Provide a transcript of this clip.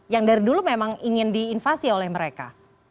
yang dari dulu memang ingin diinvasi oleh mereka